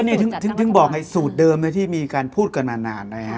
นี่ถึงบอกไงสูตรเดิมที่มีการพูดกันนานนะฮะ